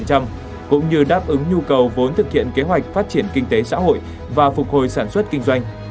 cũng như đáp ứng nhu cầu vốn thực hiện kế hoạch phát triển kinh tế xã hội và phục hồi sản xuất kinh doanh